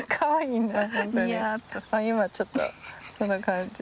今ちょっとそんな感じ。